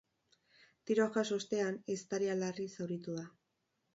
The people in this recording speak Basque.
Tiroa jaso ostean, ehiztaria larri zauritu da.